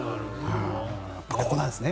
ここなんですね。